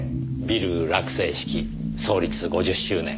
ビル落成式創立５０周年。